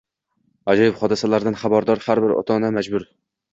Ajoyib hodisalardan xabardor har bir ota-ona majbur.